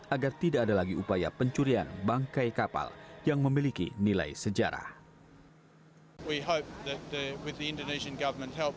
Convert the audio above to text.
agar tidak ada lagi upaya pencurian bangkai kapal yang memiliki nilai sejarah